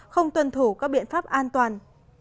không tuân thủ các biện pháp an toàn